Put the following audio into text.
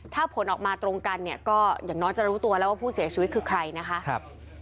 ถ้าผลออกมาตรงกันเนี่ยก็อย่างน้อยจะรู้ตัวแล้วว่าผู้เสียชีวิตคือใครนะคะ